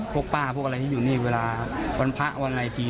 พวกป้าพวกอะไรที่อยู่นี่เวลาวันพระวันอะไรที